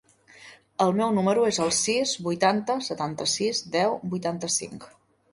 El meu número es el sis, vuitanta, setanta-sis, deu, vuitanta-cinc.